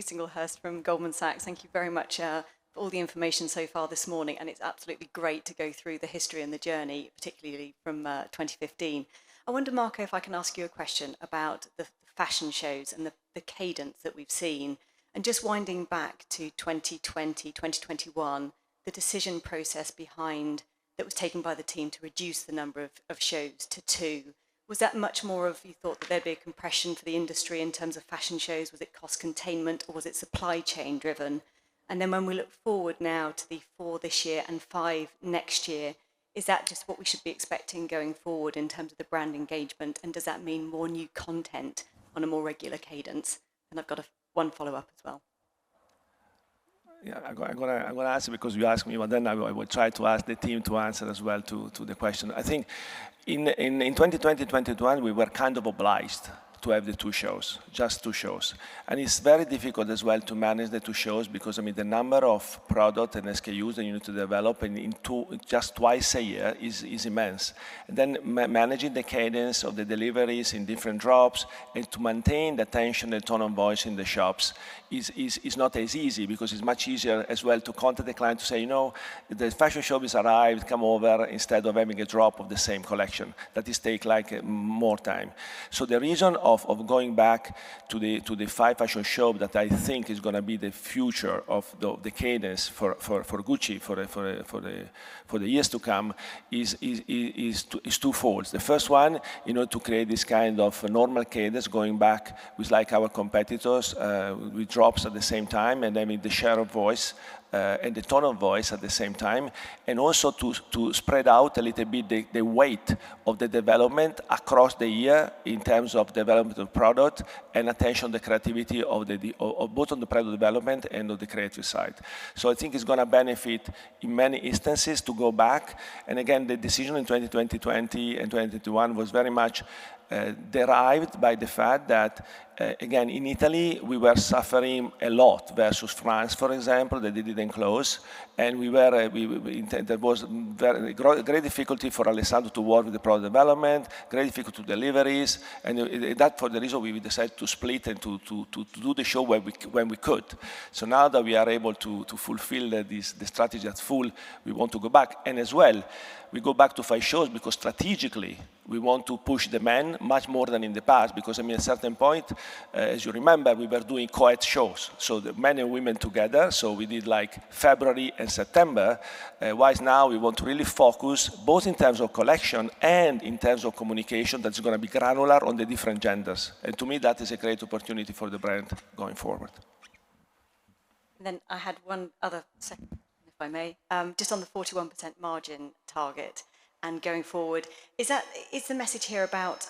Thank you. It's Louise Singlehurst from Goldman Sachs. Thank you very much for all the information so far this morning, and it's absolutely great to go through the history and the journey, particularly from 2015. I wonder, Marco, if I can ask you a question about the fashion shows and the cadence that we've seen, and just winding back to 2020, 2021, the decision process behind that was taken by the team to reduce the number of shows to two. Was that much more of a thought that there'd be a compression for the industry in terms of fashion shows? Was it cost containment, or was it supply chain driven? Then when we look forward now to the four this year and five next year, is that just what we should be expecting going forward in terms of the brand engagement? Does that mean more new content on a more regular cadence? I've got one follow-up as well. Yeah. I gonna answer because you asked me, but then I will try to ask the team to answer as well to the question. I think in 2020 we were kind of obliged to have the two shows, just two shows. It's very difficult as well to manage the two shows because, I mean, the number of product and SKUs that you need to develop and in two, just twice a year is immense. Managing the cadence of the deliveries in different drops and to maintain the attention and tone of voice in the shops is not as easy because it's much easier as well to contact the client to say, "You know, the fashion show is arrived, come over," instead of having a drop of the same collection. That is take like more time. The reason of going back to the five fashion show that I think is gonna be the future of the cadence for Gucci for the years to come is twofolds. The first one, you know, to create this kind of normal cadence going back with like our competitors, with drops at the same time, and I mean, the share of voice, and the tone of voice at the same time. Also to spread out a little bit the weight of the development across the year in terms of development of product and attention, the creativity of both on the product development and of the creative side. I think it's gonna benefit in many instances to go back. Again, the decision in 2020 and 2021 was very much derived by the fact that, again, in Italy we were suffering a lot versus France, for example, that they didn't close. There was great difficulty for Alessandro to work with the product development, great difficulty deliveries, and that for the reason we decided to split and to do the show when we could. Now that we are able to fulfill the strategy at full, we want to go back. As well, we go back to five shows because strategically we want to push the men much more than in the past because, I mean, at a certain point, as you remember, we were doing quiet shows. The men and women together, so we did like February and September, while now we want to really focus both in terms of collection and in terms of communication that's gonna be granular on the different genders. To me, that is a great opportunity for the brand going forward. I had one other second question, if I may. Just on the 41% margin target and going forward, is the message here about,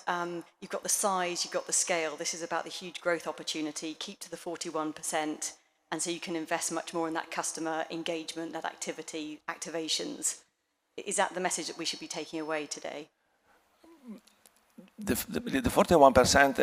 you've got the size, you've got the scale, this is about the huge growth opportunity, keep to the 41% and so you can invest much more in that customer engagement, that activity, activations. Is that the message that we should be taking away today? The 41%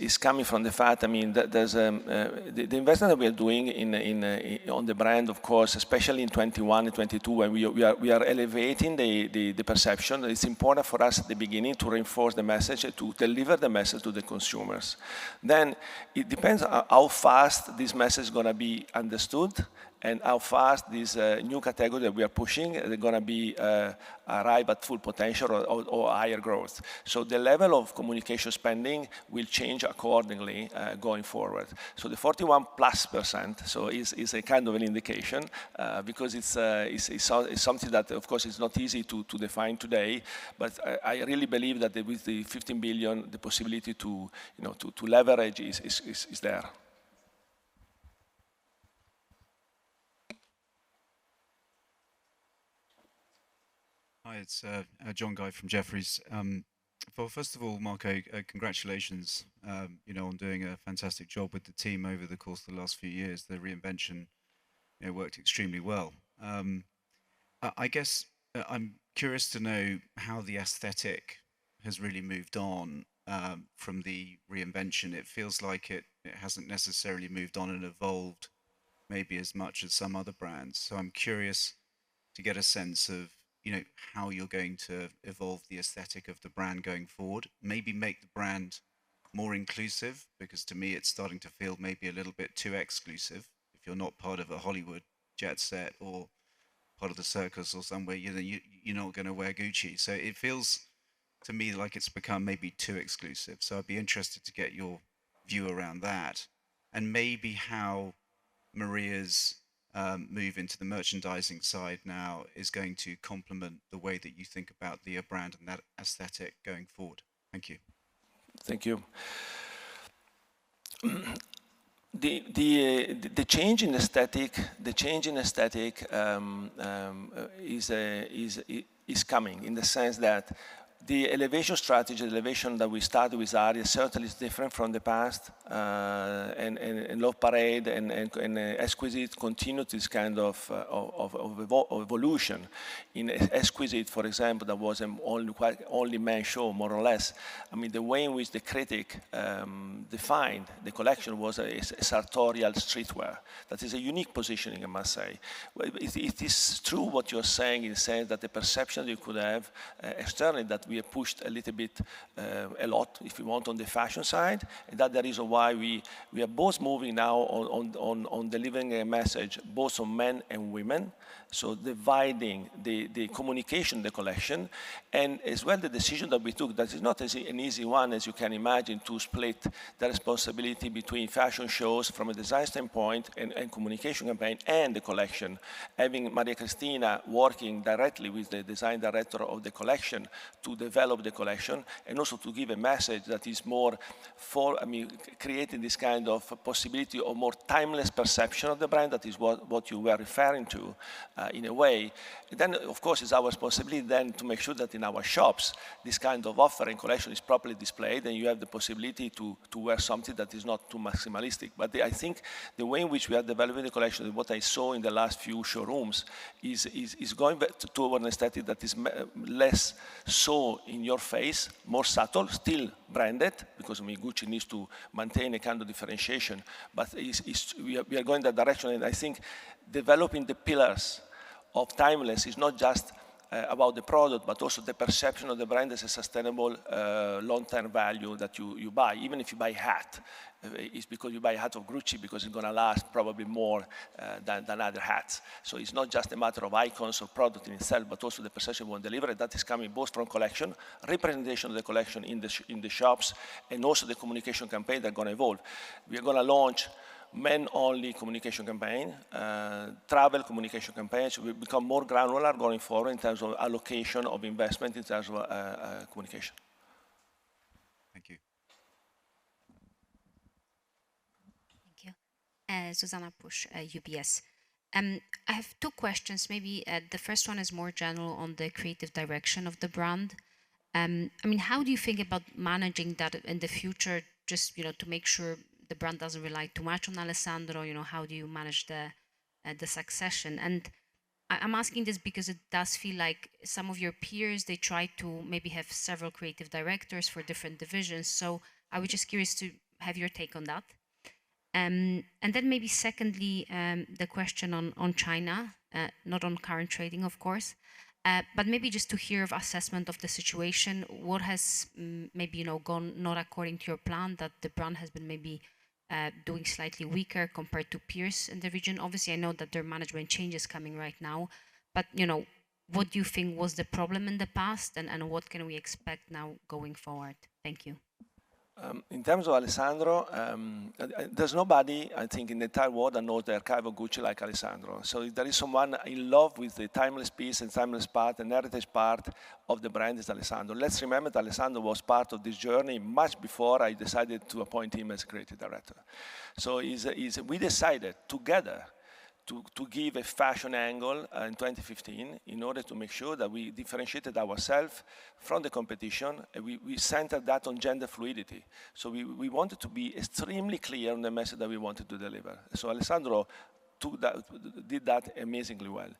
is coming from the fact, I mean, there's the investment that we are doing in on the brand of course, especially in 2021 and 2022 where we are elevating the perception, it's important for us at the beginning to reinforce the message, to deliver the message to the consumers. Then it depends on how fast this message gonna be understood and how fast this new category that we are pushing are gonna be arrive at full potential or higher growth. The level of communication spending will change accordingly, going forward. The 41%+ is a kind of an indication, because it's something that of course is not easy to define today. I really believe that with the 15 billion, the possibility to, you know, to leverage is there. Hi, it's John Guy from Jefferies. Well, first of all, Marco, congratulations, you know, on doing a fantastic job with the team over the course of the last few years. The reinvention, you know, worked extremely well. I guess I'm curious to know how the aesthetic has really moved on from the reinvention. It feels like it hasn't necessarily moved on and evolved maybe as much as some other brands. I'm curious to get a sense of, you know, how you're going to evolve the aesthetic of the brand going forward. Maybe make the brand more inclusive because to me it's starting to feel maybe a little bit too exclusive. If you're not part of a Hollywood jet set or part of the circus or somewhere, you know, you're not gonna wear Gucci. It feels to me like it's become maybe too exclusive, so I'd be interested to get your view around that. Maybe how Maria's move into the merchandising side now is going to complement the way that you think about the brand and that aesthetic going forward. Thank you. Thank you. The change in aesthetic is coming in the sense that the elevation strategy, the elevation that we started with Aria, certainly is different from the past. Love Parade and Exquisite continue this kind of evolution. In Exquisite, for example, that was only men show more or less. I mean, the way in which the critic defined the collection was a sartorial streetwear. That is a unique positioning, I must say. Well, it is true what you're saying, in saying that the perception you could have externally that we have pushed a little bit, a lot, if you want, on the fashion side, and that the reason why we are both moving now on delivering a message both on men and women. Dividing the communication, the collection. As well, the decision that we took, that is not as an easy one, as you can imagine, to split the responsibility between fashion shows from a design standpoint and communication campaign and the collection. Having Maria Cristina working directly with the design director of the collection to develop the collection and also to give a message that is more for, I mean, creating this kind of possibility or more timeless perception of the brand. That is what you were referring to, in a way. Of course, it's our responsibility then to make sure that in our shops, this kind of offering collection is properly displayed, and you have the possibility to wear something that is not too maximalist. I think the way in which we are developing the collection and what I saw in the last few showrooms is going back to an aesthetic that is less so in your face, more subtle, still branded, because, I mean, Gucci needs to maintain a kind of differentiation. It's we are going that direction, and I think developing the pillars of timeless is not just about the product, but also the perception of the brand as a sustainable, long-term value that you buy. Even if you buy hat, it's because you buy hat of Gucci because it's gonna last probably more than other hats. It's not just a matter of icons or product in itself, but also the perception we wanna deliver. That is coming both from collection, representation of the collection in the shops, and also the communication campaign that gonna evolve. We are gonna launch men-only communication campaign, travel communication campaign. We've become more granular going forward in terms of allocation of investment, in terms of communication. Thank you. Thank you. Zuzanna Pusz, UBS. I have two questions. Maybe the first one is more general on the creative direction of the brand. I mean, how do you think about managing that in the future, just, you know, to make sure the brand doesn't rely too much on Alessandro? You know, how do you manage the succession? I'm asking this because it does feel like some of your peers, they try to maybe have several creative directors for different divisions. I was just curious to have your take on that. Maybe secondly, the question on China, not on current trading, of course. Maybe just to hear your assessment of the situation, what has maybe, you know, gone not according to your plan that the brand has been maybe doing slightly weaker compared to peers in the region? Obviously, I know that their management change is coming right now. You know, what do you think was the problem in the past, and what can we expect now going forward? Thank you. In terms of Alessandro, there's nobody, I think, in the entire world that knows the archival Gucci like Alessandro. If there is someone in love with the timeless piece and timeless part and heritage part of the brand, it's Alessandro. Let's remember that Alessandro was part of this journey much before I decided to appoint him as Creative Director. We decided together to give a fashion angle in 2015 in order to make sure that we differentiated ourselves from the competition, and we centered that on gender fluidity. We wanted to be extremely clear on the message that we wanted to deliver. Alessandro took that, did that amazingly well.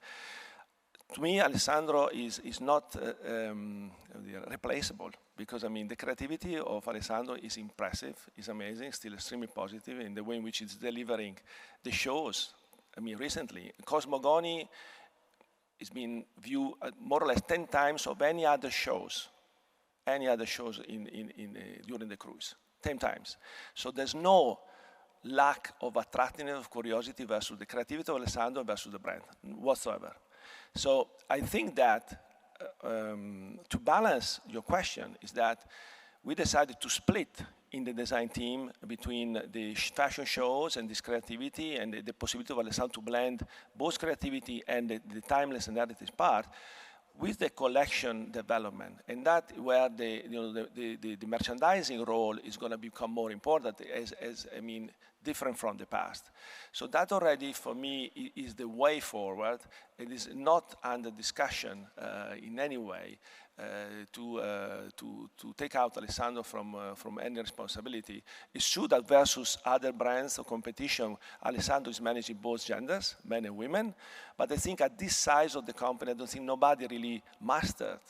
To me, Alessandro is not, you know, replaceable because, I mean, the creativity of Alessandro is impressive, is amazing, still extremely positive in the way in which he's delivering the shows. I mean, recently, Cosmogonie has been viewed more or less 10x of any other shows in during the cruise. 10x. So there's no lack of attractiveness, of curiosity versus the creativity of Alessandro versus the brand whatsoever. So I think that, to balance your question is that we decided to split in the design team between the fashion shows and this creativity and the possibility of Alessandro to blend both creativity and the timeless and heritage part with the collection development. That's where the, you know, the merchandising role is gonna become more important as, I mean, different from the past. That already for me is the way forward. It is not under discussion in any way to take out Alessandro from any responsibility. It's true that versus other brands or competition, Alessandro is managing both genders, men and women. I think at this size of the company, I don't think nobody really mastered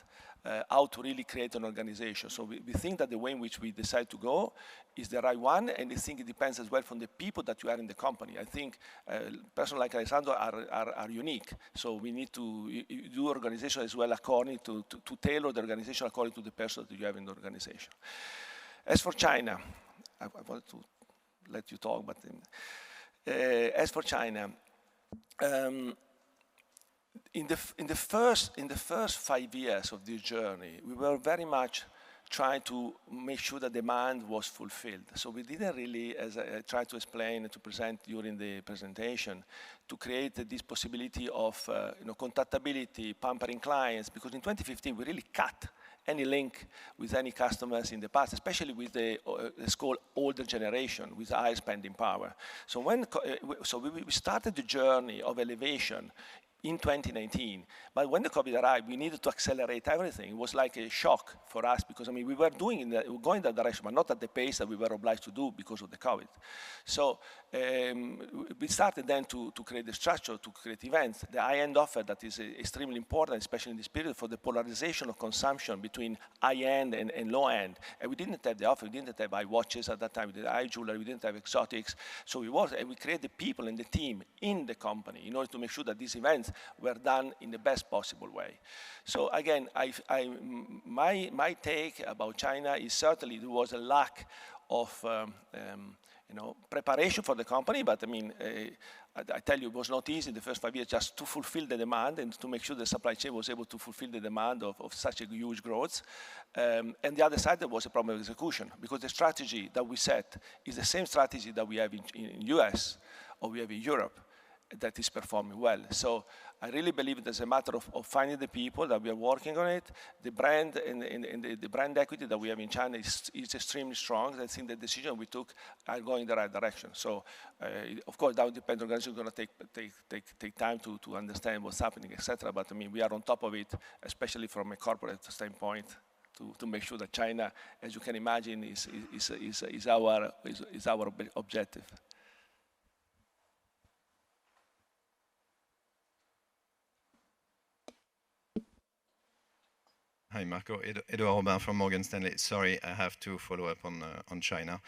how to really create an organization. We think that the way in which we decide to go is the right one, and I think it depends as well from the people that you have in the company. I think person like Alessandro are unique. We need to do organization as well according to tailor the organization according to the person that you have in the organization. As for China, in the first five years of this journey, we were very much trying to make sure that demand was fulfilled. We didn't really, as I tried to explain and to present during the presentation, create this possibility of connectivity, pampering clients, because in 2015, we really cut any link with any customers in the past, especially with the older generation with high spending power. We started the journey of elevation in 2019, but when the COVID arrived, we needed to accelerate everything. It was like a shock for us because, I mean, we were going that direction, but not at the pace that we were obliged to do because of the COVID. We started then to create the structure, to create events. The high-end offer that is extremely important, especially in this period for the polarization of consumption between high-end and low-end. We didn't have the offer, we didn't have high watches at that time. We didn't have high jewelry. We didn't have exotics. We created the people and the team in the company in order to make sure that these events were done in the best possible way. Again, my take about China is certainly there was a lack of, you know, preparation for the company. I mean, I tell you, it was not easy the first five years just to fulfill the demand and to make sure the supply chain was able to fulfill the demand of such a huge growth. The other side, there was a problem with execution because the strategy that we set is the same strategy that we have in U.S. or we have in Europe that is performing well. I really believe it is a matter of finding the people that we are working on it. The brand and the brand equity that we have in China is extremely strong, and I think the decision we took are going the right direction. Of course that would depend on us. We're gonna take time to understand what's happening, et cetera. I mean, we are on top of it, especially from a corporate standpoint, to make sure that China, as you can imagine, is our big objective. Hi, Marco. Edouard Aubin from Morgan Stanley. Sorry, I have to follow up on China.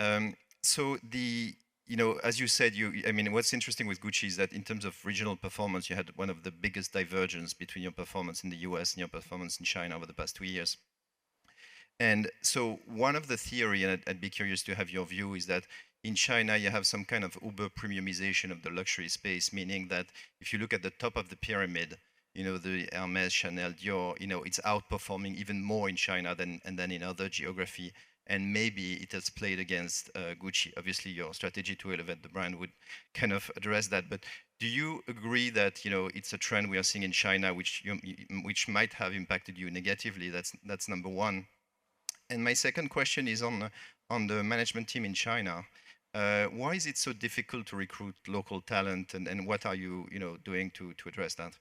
You know, as you said, I mean, what's interesting with Gucci is that in terms of regional performance, you had one of the biggest divergence between your performance in the U.S. and your performance in China over the past two years. One of the theory, and I'd be curious to have your view, is that in China you have some kind of uber-premiumization of the luxury space, meaning that if you look at the top of the pyramid, you know, the Hermès, Chanel, Dior, you know, it's outperforming even more in China than in other geography, and maybe it has played against Gucci. Obviously, your strategy to elevate the brand would kind of address that. Do you agree that, you know, it's a trend we are seeing in China which might have impacted you negatively? That's number one. My second question is on the management team in China. Why is it so difficult to recruit local talent, and what are you know, doing to address that?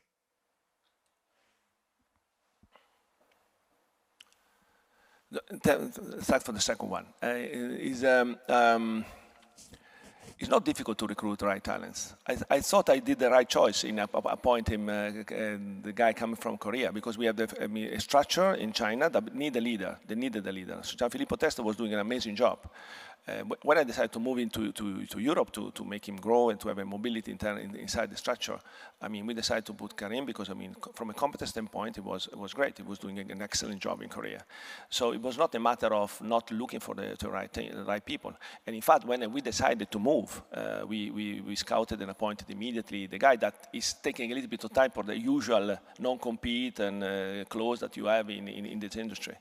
It's not difficult to recruit the right talents. I thought I did the right choice in appointing the guy coming from Korea because we have the, I mean, a structure in China that need a leader. They needed a leader. Gianfilippo Testa was doing an amazing job. When I decided to move him to Europe to make him grow and to have internal mobility inside the structure, I mean, we decided to put Karim because, I mean, from a competence standpoint, it was great. He was doing an excellent job in Korea. It was not a matter of not looking for the right people. In fact, when we decided to move, we scouted and appointed immediately the guy that is taking a little bit of time for the usual non-compete and clause that you have in this industry.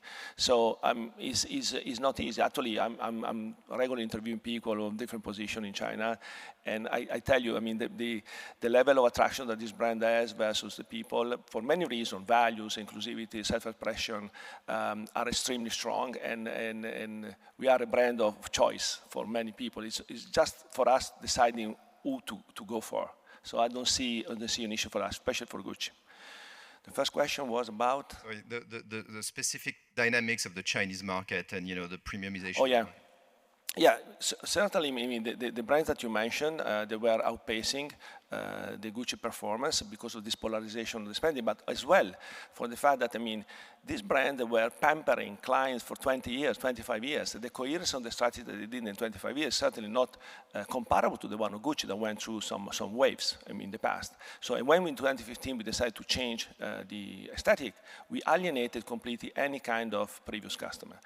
It is not easy. Actually, I'm regularly interviewing people on different positions in China, and I tell you, I mean, the level of attraction that this brand has versus the people, for many reasons, values, inclusivity, self-expression, are extremely strong and we are a brand of choice for many people. It's just for us deciding who to go for. I don't see an issue for us, especially for Gucci. The first question was about? Sorry. The specific dynamics of the Chinese market and, you know, the premiumization. Certainly, I mean, the brands that you mentioned, they were outpacing the Gucci performance because of this polarization of the spending. As well for the fact that, I mean, these brands were pampering clients for 20 years, 25 years. The coherence of the strategy that they did in 25 years certainly not comparable to the one of Gucci that went through some waves, I mean, in the past. When in 2015 we decided to change the aesthetic, we alienated completely any kind of previous customer.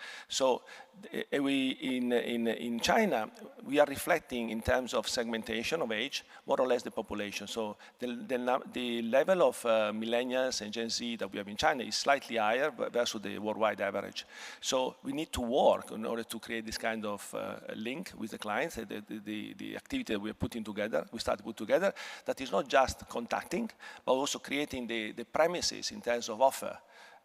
In China, we are reflecting in terms of segmentation of age, more or less the population. The level of Millennials and Gen Z that we have in China is slightly higher but versus the worldwide average. We need to work in order to create this kind of link with the clients. The activity that we are putting together that is not just contacting, but also creating the premises in terms of offer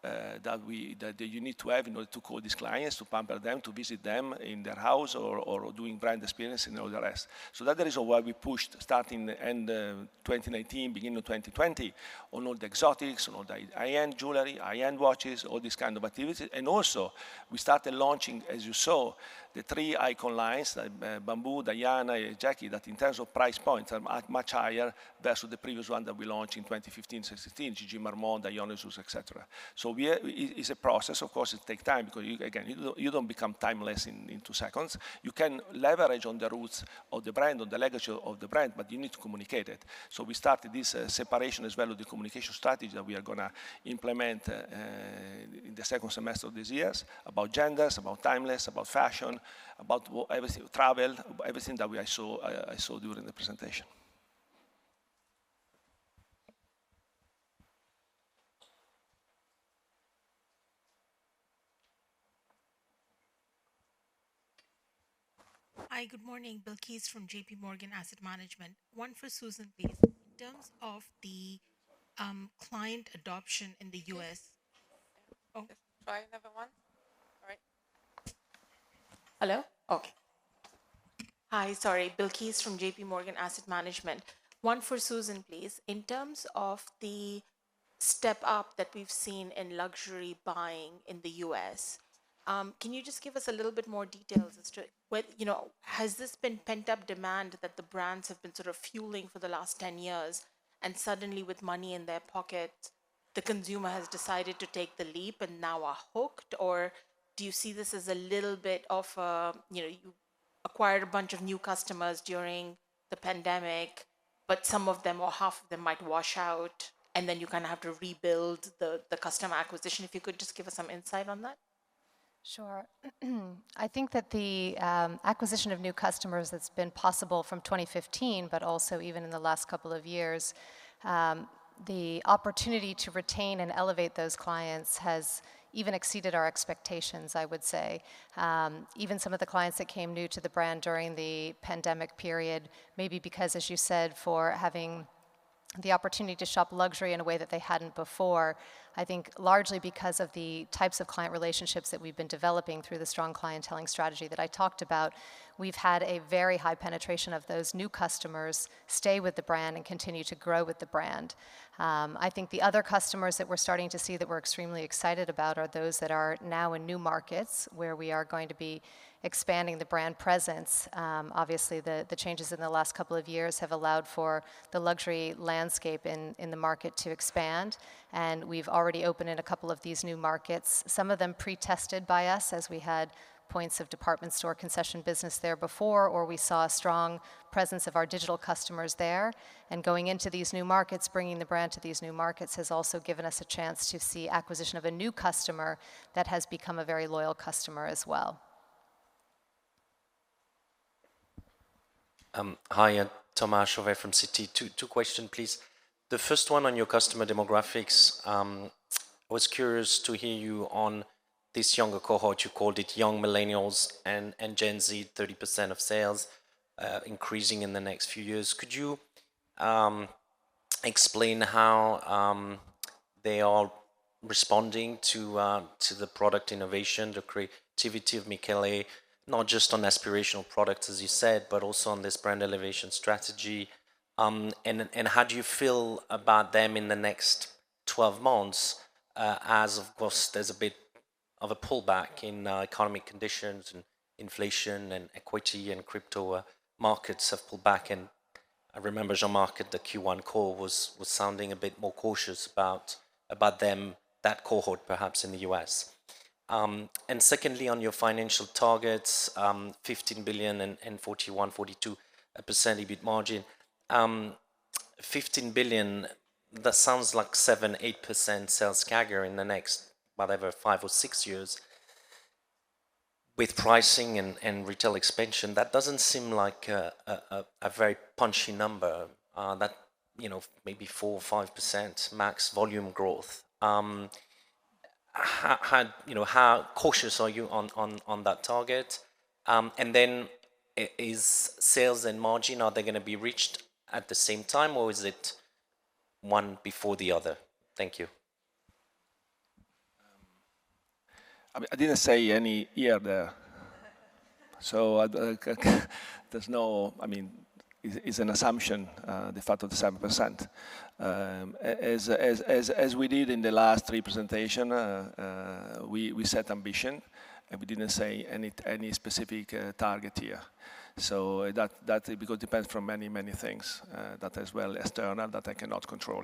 that you need to have in order to call these clients, to pamper them, to visit them in their house or doing brand experience and all the rest. That is the reason why we pushed starting end of 2019, beginning of 2020 on all the exotics, on all the high-end jewelry, high-end watches, all these kind of activities. We started launching, as you saw, the three icon lines, Bamboo, Diana, Jackie, that in terms of price points are at much higher versus the previous one that we launched in 2015, 2016, GG, Marmont, Dionysus, etc. It's a process. Of course, it take time because you, again, you don't become timeless in two seconds. You can leverage on the roots of the brand, on the legacy of the brand, but you need to communicate it. We started this separation as well as the communication strategy that we are gonna implement in the second semester of this year about genders, about timeless, about fashion, about everything, travel, everything that we saw, I saw during the presentation. Hi, good morning. Bilquis from JPMorgan Asset Management. One for Susan, please. In terms of the client adoption in the U.S.- Oh. Try another one. All right. Hello? Okay. Hi, sorry. Bilquis from JPMorgan Asset Management. One for Susan, please. In terms of the step up that we've seen in luxury buying in the U.S., can you just give us a little bit more details as to what you know, has this been pent-up demand that the brands have been sort of fueling for the last 10 years, and suddenly with money in their pocket, the consumer has decided to take the leap and now are hooked? Or do you see this as a little bit of a, you know, you acquired a bunch of new customers during the pandemic, but some of them or half of them might wash out, and then you kind of have to rebuild the customer acquisition. If you could just give us some insight on that. Sure. I think that the acquisition of new customers that's been possible from 2015, but also even in the last couple of years, the opportunity to retain and elevate those clients has even exceeded our expectations, I would say. Even some of the clients that came new to the brand during the pandemic period, maybe because, as you said, for having the opportunity to shop luxury in a way that they hadn't before, I think largely because of the types of client relationships that we've been developing through the strong clienteling strategy that I talked about, we've had a very high penetration of those new customers stay with the brand and continue to grow with the brand. I think the other customers that we're starting to see that we're extremely excited about are those that are now in new markets where we are going to be expanding the brand presence. Obviously the changes in the last couple of years have allowed for the luxury landscape in the market to expand, and we've already opened in a couple of these new markets. Some of them pre-tested by us as we had points of department store concession business there before, or we saw a strong presence of our digital customers there. Going into these new markets, bringing the brand to these new markets, has also given us a chance to see acquisition of a new customer that has become a very loyal customer as well. Hi. Thomas Chauvet from Citi. Two questions, please. The first one on your customer demographics. I was curious to hear you on this younger cohort, you called it young millennials and Gen Z, 30% of sales, increasing in the next few years. Could you explain how they are responding to the product innovation, the creativity of Michele, not just on aspirational products, as you said, but also on this brand elevation strategy? And how do you feel about them in the next 12 months, as of course there's a bit of a pullback in economic conditions and inflation and equity and crypto markets have pulled back and I remember Jean-Marc at the Q1 call was sounding a bit more cautious about them, that cohort perhaps in the US. Secondly, on your financial targets, 15 billion and 41%-42% EBIT margin. 15 billion, that sounds like 7%-8% sales CAGR in the next whatever, five or six years. With pricing and retail expansion, that doesn't seem like a very punchy number. You know, maybe 4% or 5% max volume growth. How cautious are you on that target? Then is sales and margin, are they gonna be reached at the same time, or is it one before the other? Thank you. I mean, I didn't say any year there. I mean, it's an assumption, the fact of the 7%. As we did in the last three presentation, we set ambition, and we didn't say any specific target year. That because depends from many things, that as well external that I cannot control.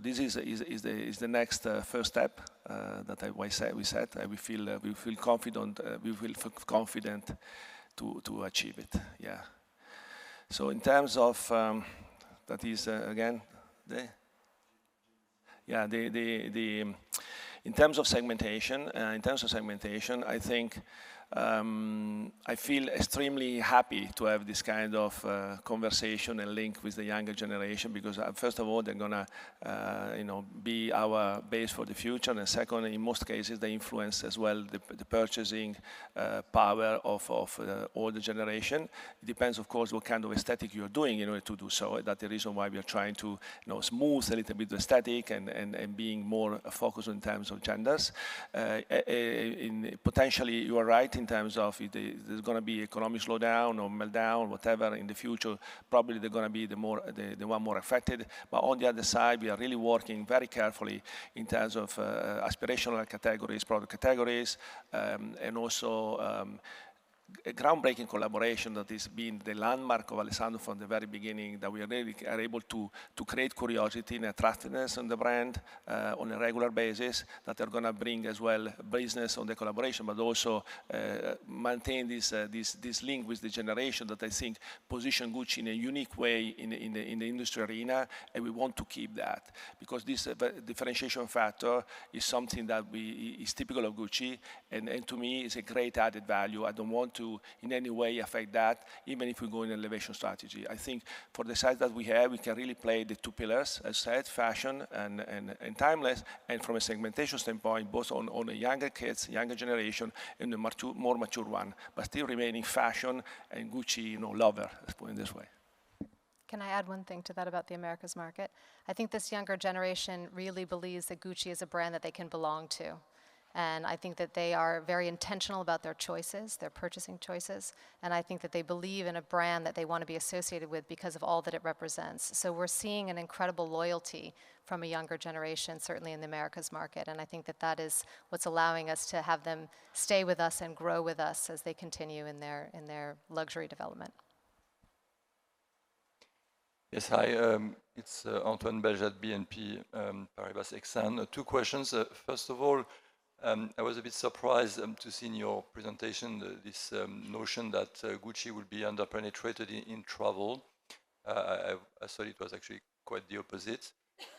This is the next first step that I said we set, and we feel confident to achieve it. Yeah. In terms of segmentation, I think I feel extremely happy to have this kind of conversation and link with the younger generation, because first of all, they're gonna you know, be our base for the future. Secondly, in most cases, they influence as well the purchasing power of the older generation. Depends, of course, what kind of aesthetic you're doing in order to do so. That's the reason why we are trying to you know, smooth a little bit the aesthetic and being more focused in terms of genders. Potentially, you are right in terms of there's gonna be economic slowdown or meltdown, whatever in the future. Probably they're gonna be the ones more affected. On the other side, we are really working very carefully in terms of aspirational categories, product categories, and also groundbreaking collaboration that is been the landmark of Alessandro from the very beginning, that we are really able to create curiosity and attractiveness in the brand on a regular basis that are gonna bring as well business on the collaboration, but also maintain this link with the generation that I think position Gucci in a unique way in the industry arena, and we want to keep that because this differentiation factor is something that is typical of Gucci and to me is a great added value. I don't want to in any way affect that, even if we go in elevation strategy. I think for the size that we have, we can really play the two pillars, as said, fashion and timeless, and from a segmentation standpoint, both on the younger kids, younger generation, and the mature, more mature one, but still remaining fashion and Gucci lover, you know, let's put it this way. Can I add one thing to that about the Americas market? I think this younger generation really believes that Gucci is a brand that they can belong to. I think that they are very intentional about their choices, their purchasing choices, and I think that they believe in a brand that they want to be associated with because of all that it represents. We're seeing an incredible loyalty from a younger generation, certainly in the Americas market, and I think that that is what's allowing us to have them stay with us and grow with us as they continue in their luxury development. Yes. Hi, it's Antoine Belge at BNP Paribas Exane. Two questions. First of all, I was a bit surprised to see in your presentation this notion that Gucci would be under-penetrated in travel. I thought it was actually quite the opposite.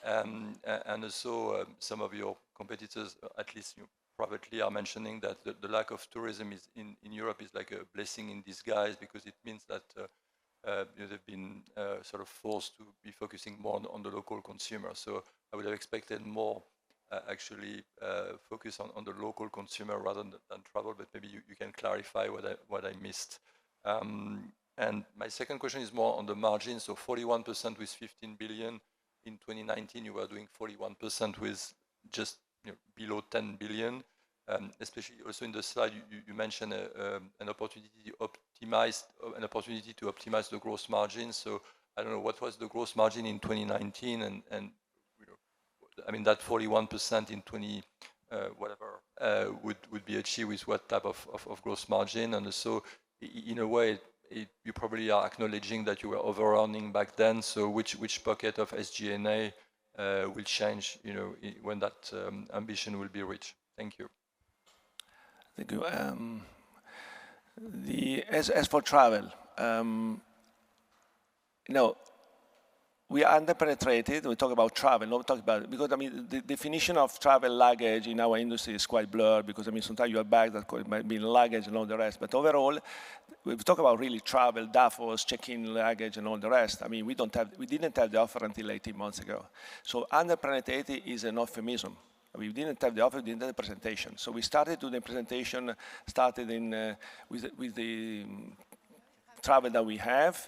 And also, some of your competitors, at least you're privately mentioning that the lack of tourism in Europe is like a blessing in disguise because it means that you have been sort of forced to be focusing more on the local consumer. I would have expected more, actually, focus on the local consumer rather than travel, but maybe you can clarify what I missed. My second question is more on the margin. 41% with 15 billion. In 2019, you were doing 41% with just below 10 billion. Especially also in the slide, you mentioned an opportunity to optimize the gross margin. I don't know what was the gross margin in 2019 and that 41% in 2020 whatever would be achieved with what type of gross margin. In a way, you probably are acknowledging that you were overearning back then. Which bucket of SG&A will change when that ambition will be reached? Thank you. Thank you. As for travel, you know, we are under-penetrated. We talk about travel. Because I mean, the definition of travel luggage in our industry is quite blurred because, I mean, sometimes you have bags that might be luggage and all the rest. Overall, we've talked about real travel, duffels, check-in luggage and all the rest. I mean, we didn't have the offer until 18 months ago. Under-penetrated is a euphemism. We didn't have the offer, didn't have the presentation. We started to do the presentation, started with the travel that we have,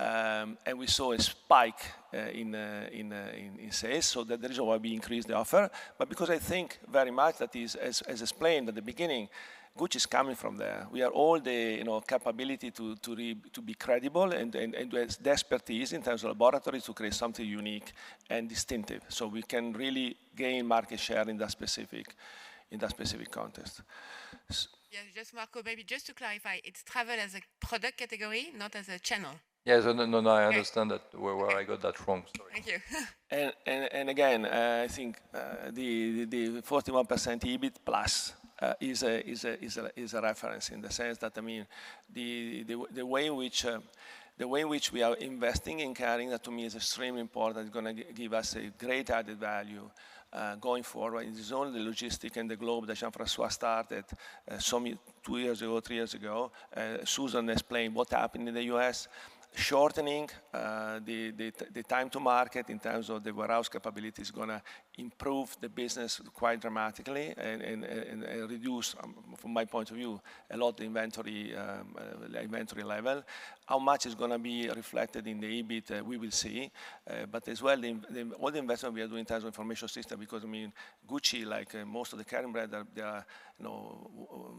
and we saw a spike in sales, so that is why we increased the offer. Because I think very much that, as explained at the beginning, Gucci is coming from there. We have all the, you know, capability to be credible and the expertise in terms of laboratories to create something unique and distinctive, so we can really gain market share in that specific context. Yeah. Just Marco, maybe just to clarify, it's travel as a product category, not as a channel. Yes. No, I understand that. Where I got that from. Sorry. Thank you. I think the 41% EBIT+ is a reference in the sense that, I mean, the way in which we are investing in Kering, that to me is extremely important, is gonna give us a great added value going forward in this zone, the logistics and the global that Jean-François started so many two years ago, three years ago. Susan explained what happened in the U.S. Shortening the time to market in terms of the warehouse capability is gonna improve the business quite dramatically and reduce, from my point of view, a lot inventory level. How much is gonna be reflected in the EBIT? We will see. As well the in. All the investments we are doing in terms of information systems, because I mean, Gucci, like most of the Kering brands, they are, you know,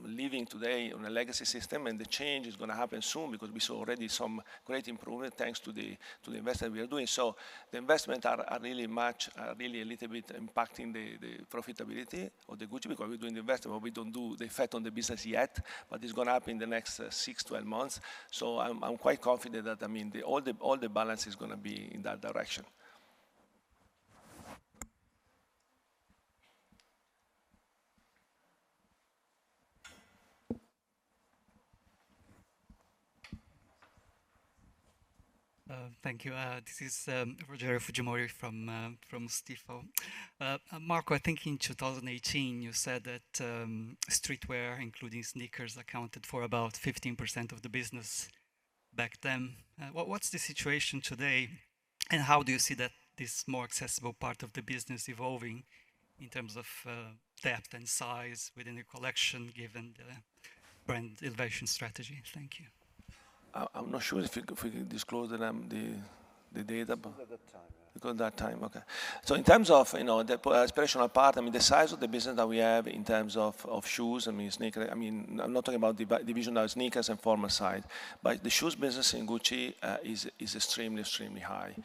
living today on a legacy system, and the change is gonna happen soon because we saw already some great improvement thanks to the investments we are doing. The investments are really a little bit impacting the profitability of Gucci because we're doing the investments, but we don't see the effect on the business yet. It's gonna happen in the next six, 12 months. I'm quite confident that, I mean, all the balance is gonna be in that direction. Thank you. This is Rogerio Fujimori from Stifel. Marco, I think in 2018, you said that streetwear, including sneakers, accounted for about 15% of the business back then. What's the situation today, and how do you see that this more accessible part of the business evolving in terms of depth and size within the collection given the brand elevation strategy? Thank you. I'm not sure if we disclosed the data. We got that time. We got that time. Okay. In terms of, you know, the aspirational part, I mean, the size of the business that we have in terms of shoes, I mean, I'm not talking about division of sneakers and formal side, but the shoes business in Gucci is extremely high.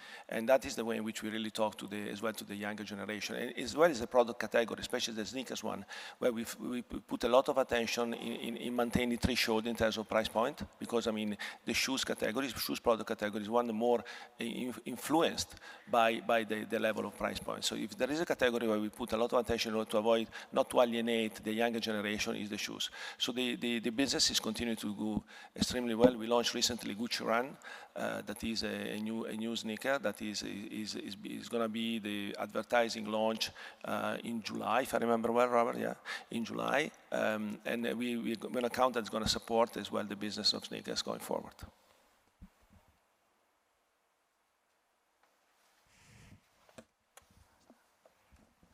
That is the way in which we really talk to the younger generation as well. As well as the product category, especially the sneakers one, where we put a lot of attention in maintaining threshold in terms of price point, because I mean, the shoes category, shoes product category is one of the more influenced by the level of price point. If there is a category where we put a lot of attention to avoid not to alienate the younger generation, is the shoes. The business is continuing to go extremely well. We launched recently Gucci Run, that is a new sneaker that is gonna be the advertising launch in July, if I remember well, Rogerio. Yeah, in July. We can count on that to support as well the business of sneakers going forward.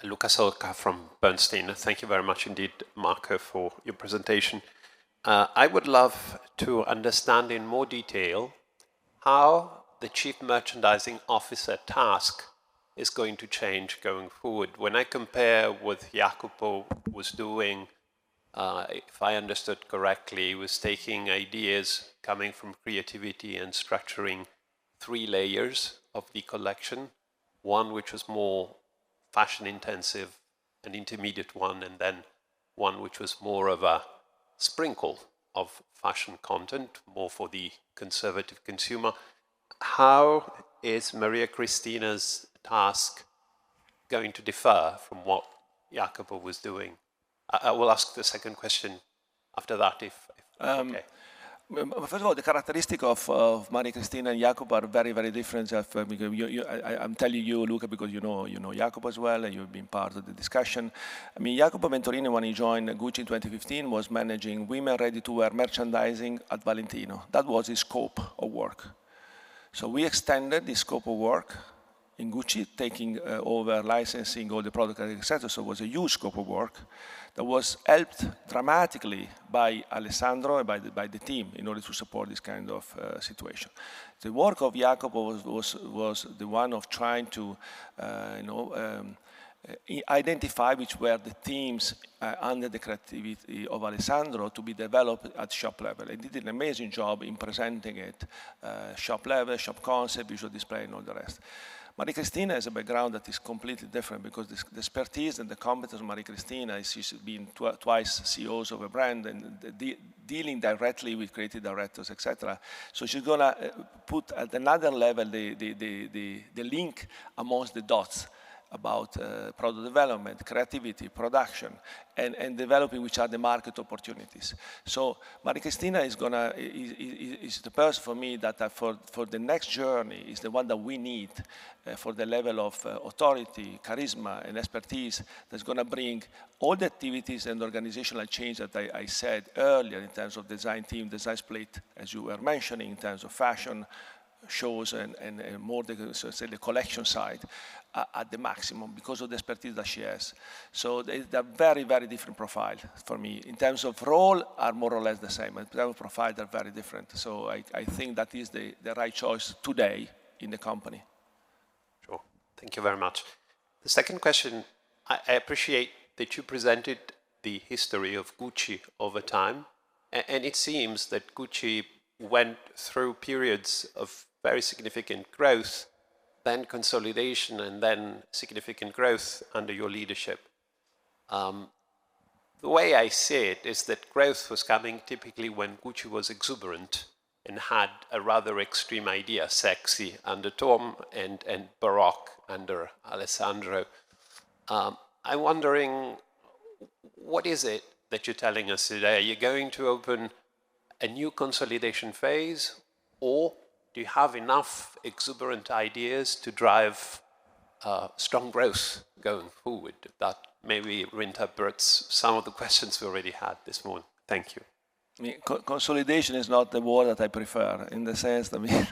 Luca Solca from Bernstein. Thank you very much indeed, Marco, for your presentation. I would love to understand in more detail how the chief merchandising officer task is going to change going forward. When I compare what Jacopo was doing, if I understood correctly, he was taking ideas coming from creativity and structuring three layers of the collection. One which was more Fashion-intensive, an intermediate one, and then one which was more of a sprinkle of fashion content, more for the conservative consumer. How is Maria Cristina's task going to differ from what Jacopo was doing? I will ask the second question after that if okay. Well, first of all, the characteristic of Maria Cristina and Jacopo are very different. Because I'm telling you, Luca, because you know Jacopo as well, and you've been part of the discussion. I mean, Jacopo Venturini, when he joined Gucci in 2015, was managing women ready-to-wear merchandising at Valentino. That was his scope of work. We extended the scope of work in Gucci, taking over licensing, all the product, et cetera. It was a huge scope of work that was helped dramatically by Alessandro and by the team in order to support this kind of situation. The work of Jacopo was the one of trying to, you know, identify which were the themes, under the creativity of Alessandro to be developed at shop level, and did an amazing job in presenting it, shop level, shop concept, visual display, and all the rest. Maria Cristina has a background that is completely different because the expertise and the competence of Maria Cristina is she's been twice CEOs of a brand and dealing directly with creative directors, et cetera. She's gonna put at another level the link among the dots about product development, creativity, production, and developing which are the market opportunities. Maria Cristina is gonna Is the person for me that for the next journey is the one that we need for the level of authority, charisma, and expertise that's gonna bring all the activities and organizational change that I said earlier in terms of design team, design split, as you were mentioning, in terms of fashion shows and more the say the collection side at the maximum because of the expertise that she has. They're very different profile for me. In terms of role are more or less the same, but level of profile, they're very different. I think that is the right choice today in the company. Sure. Thank you very much. The second question, I appreciate that you presented the history of Gucci over time, and it seems that Gucci went through periods of very significant growth, then consolidation, and then significant growth under your leadership. The way I see it is that growth was coming typically when Gucci was exuberant and had a rather extreme idea, sexy under Tom and baroque under Alessandro. I'm wondering, what is it that you're telling us today? Are you going to open a new consolidation phase, or do you have enough exuberant ideas to drive strong growth going forward? That maybe reinterprets some of the questions we already had this morning. Thank you. I mean, consolidation is not the word that I prefer in the sense that, I mean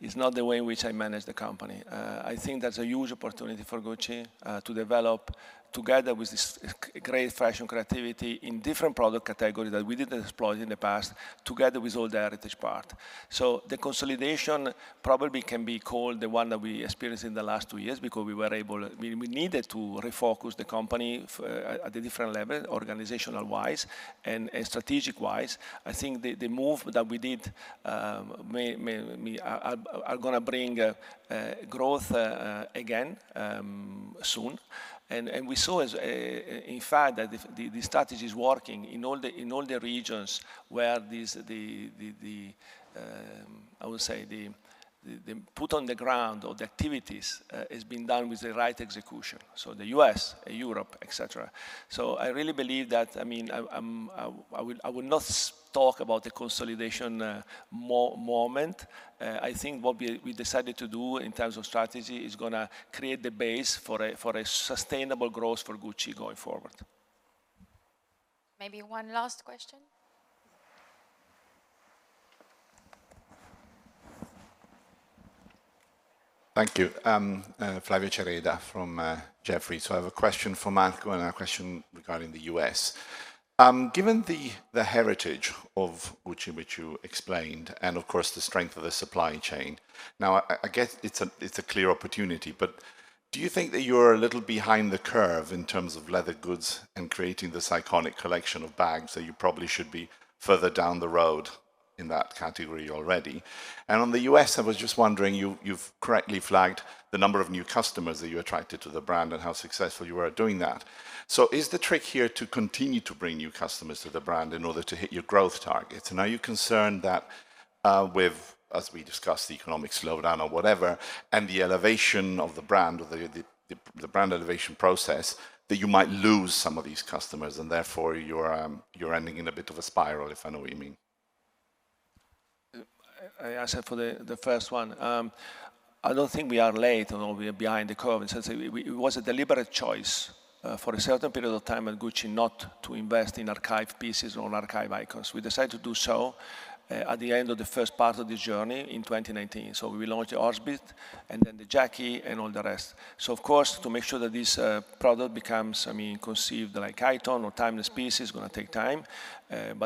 it's not the way in which I manage the company. I think there's a huge opportunity for Gucci to develop together with this great fashion creativity in different product categories that we didn't explore in the past together with all the heritage part. The consolidation probably can be called the one that we experienced in the last two years because we needed to refocus the company at a different level organizational-wise and strategic-wise. I think the move that we did are gonna bring growth again soon. We saw in fact that the strategy is working in all the regions where these the foot on the ground or the activities is being done with the right execution, so the U.S., Europe, etc. I really believe that. I mean, I will not talk about the consolidation moment. I think what we decided to do in terms of strategy is gonna create the base for a sustainable growth for Gucci going forward. Maybe one last question. Thank you. Flavio Cereda from Jefferies. I have a question for Marco and a question regarding the U.S. Given the heritage of Gucci which you explained and, of course, the strength of the supply chain, now I guess it's a clear opportunity, but do you think that you're a little behind the curve in terms of leather goods and creating this iconic collection of bags that you probably should be further down the road in that category already? On the U.S., I was just wondering, you've correctly flagged the number of new customers that you attracted to the brand and how successful you were at doing that. Is the trick here to continue to bring new customers to the brand in order to hit your growth targets? Are you concerned that with, as we discussed, the economic slowdown or whatever and the elevation of the brand or the brand elevation process, that you might lose some of these customers and therefore you're ending in a bit of a spiral, if I know what you mean? I answer for the first one. I don't think we are late or we are behind the curve in the sense that it was a deliberate choice for a certain period of time at Gucci not to invest in archive pieces or archive icons. We decided to do so at the end of the first part of this journey in 2019. We launched the Horsebit and then the Jackie and all the rest. Of course, to make sure that this product becomes conceived an icon or timeless piece is gonna take time.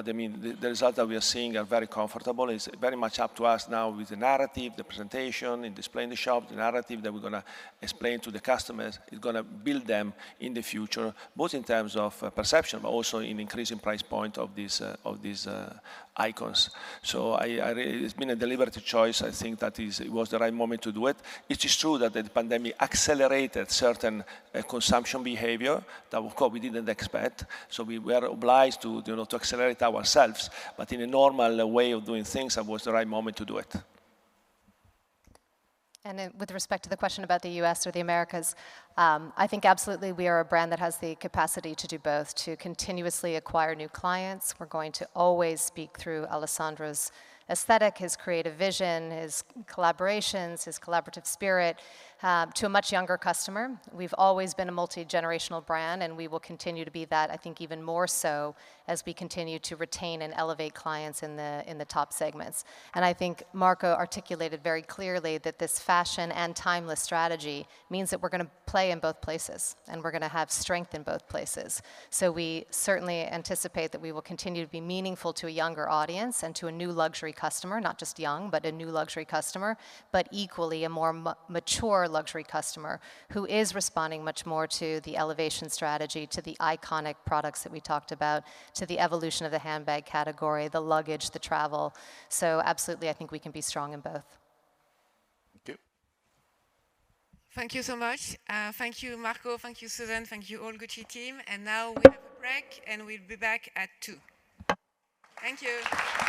I mean, the results that we are seeing are very comfortable. It's very much up to us now with the narrative, the presentation, in displaying the shop, the narrative that we're gonna explain to the customers is gonna build them in the future, both in terms of perception, but also in increasing price point of these icons. It's been a deliberate choice. I think. It was the right moment to do it. It is true that the pandemic accelerated certain consumption behavior that, of course, we didn't expect, so we were obliged to, you know, to accelerate ourselves. In a normal way of doing things, that was the right moment to do it. With respect to the question about the U.S. or the Americas, I think absolutely we are a brand that has the capacity to do both, to continuously acquire new clients. We're going to always speak through Alessandro's aesthetic, his creative vision, his collaborations, his collaborative spirit, to a much younger customer. We've always been a multigenerational brand, and we will continue to be that, I think, even more so as we continue to retain and elevate clients in the top segments. I think Marco articulated very clearly that this fashion and timeless strategy means that we're gonna play in both places, and we're gonna have strength in both places. We certainly anticipate that we will continue to be meaningful to a younger audience and to a new luxury customer, not just young, but a new luxury customer, but equally a more mature luxury customer who is responding much more to the elevation strategy, to the iconic products that we talked about, to the evolution of the handbag category, the luggage, the travel. Absolutely, I think we can be strong in both. Thank you. Thank you so much. Thank you, Marco. Thank you, Susan. Thank you all Gucci team. Now we have a break, and we'll be back at 2:00 P.M. Thank you.